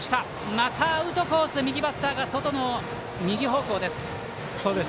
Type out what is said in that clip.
またアウトコース、右バッターが外の右方向です。